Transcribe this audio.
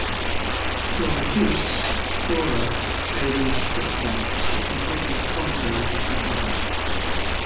Dora Keith - Dora, Davy's sister, is completely the contrary of her brother.